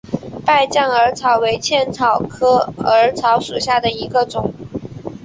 败酱耳草为茜草科耳草属下的一个种。